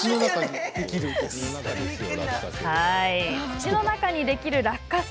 土の中にできる落花生。